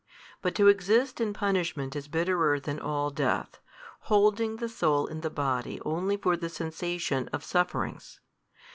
But to exist in punishment is bitterer than all death, holding the soul in the body only for the sensation of sufferings.